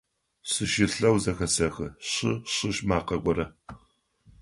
Сыщылъэу зэхэсэхы шы-шыш макъэ горэ.